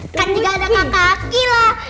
kan juga ada kakak aki lah